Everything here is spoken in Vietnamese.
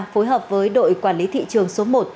phối hợp với đội quản lý thị trường số một